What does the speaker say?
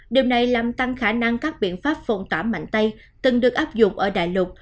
điều này làm tăng khả năng các biện pháp phòng tả mạnh tay từng được áp dụng ở đại lục